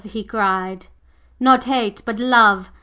he cried. "Not Hate, but Love!